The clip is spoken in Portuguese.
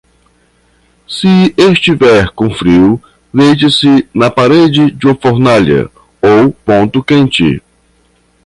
Se estiver com frio, deite-se na parede de uma fornalha ou ponto quente.